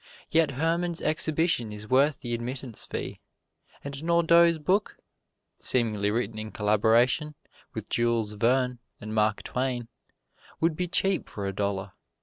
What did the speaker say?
Yet Hermann's exhibition is worth the admittance fee, and Nordau's book (seemingly written in collaboration with Jules Verne and Mark Twain) would be cheap for a dollar.